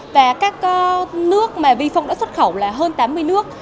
và các nước mà vifong đã xuất khẩu là hơn tám mươi nước